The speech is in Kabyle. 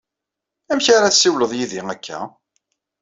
Amek ara tessiwleḍ yid-i akka?